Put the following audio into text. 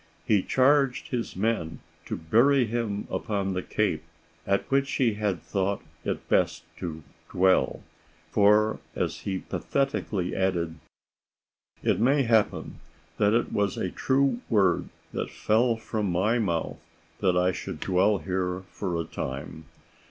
He charged his men to bury him upon the cape "at which he had thought it best to dwell;" for, as he pathetically added, "it may happen that it was a true word that fell from my mouth that I should dwell here for a time."